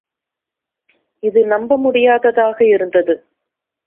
இது நம்ப முடியாததாக இருந்தது.